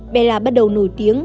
bella bắt đầu nổi tiếng